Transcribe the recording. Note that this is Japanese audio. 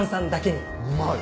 うまい！